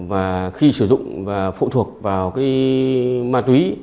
và khi sử dụng và phụ thuộc vào cái ma túy